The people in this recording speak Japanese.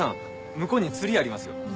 向こうにツリーありますよ。